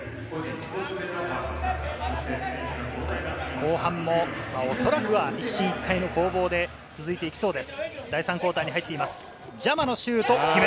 後半もおそらくは一進一退の攻防で続いていきそうです。